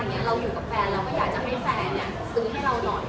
เราอยู่กับแฟนเราก็อยากจะให้แฟนซื้อให้เราหน่อย